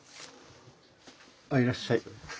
あいらっしゃい。